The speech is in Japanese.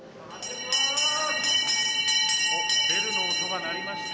ベルの音が鳴りました。